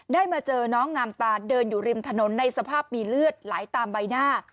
มาเจอน้องงามตาเดินอยู่ริมถนนในสภาพมีเลือดไหลตามใบหน้า